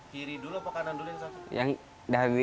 kiri dulu apa kanan dulu yang satu